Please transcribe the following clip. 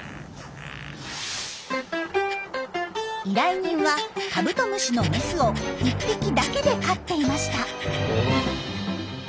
依頼人はカブトムシのメスを１匹だけで飼っていました。